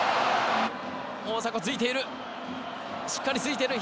大迫ついている！